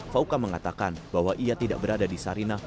fawka mengatakan bahwa ia tidak berada di sarina